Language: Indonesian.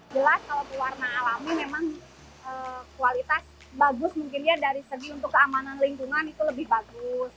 jelas kalau pewarna alami memang kualitas bagus mungkin ya dari segi untuk keamanan lingkungan itu lebih bagus